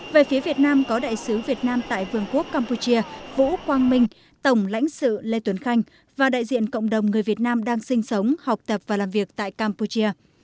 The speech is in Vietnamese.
về phía việt nam có đại sứ việt nam tại vương quốc campuchia vũ quang minh tổng lãnh sự lê tuấn khanh và đại diện cộng đồng người việt nam đang sinh sống học tập và làm việc tại campuchia